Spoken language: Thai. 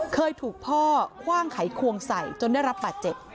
เคยถูกพ่อคว่างไขควงใส่จนได้รับบาดเจ็บ